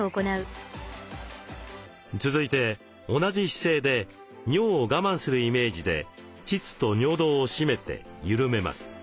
続いて同じ姿勢で尿を我慢するイメージで膣と尿道を締めて緩めます。